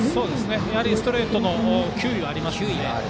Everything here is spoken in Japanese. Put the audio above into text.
やはりストレートの球威がありますので。